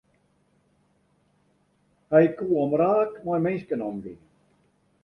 Hy koe omraak mei minsken omgean.